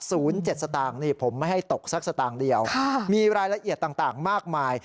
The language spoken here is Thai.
เจ็ดสตางค์นี่ผมไม่ให้ตกสักสตางค์เดียวมีรายละเอียดต่างต่างมากมาย